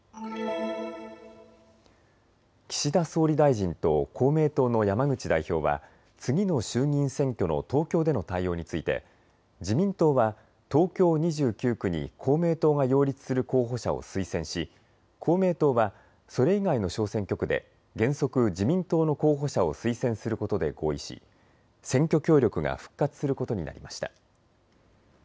岸田総理大臣と公明党の山口代表は次の衆議院選挙の東京での対応について自民党は東京２９区に公明党が擁立する候補者を推薦し、公明党はそれ以外の小選挙区で原則、自民党の候補者を推薦することで合意し選挙協力が復活することになりました。